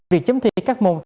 việc chấm thiết các môn